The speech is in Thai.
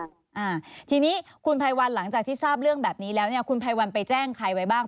อ่าทีนี้คุณภัยวันหลังจากที่ทราบเรื่องแบบนี้แล้วเนี่ยคุณไพรวัลไปแจ้งใครไว้บ้าง